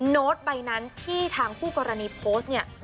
โน้ตใบนั้นที่ทางคู่กรณีโพสต์เนี่ย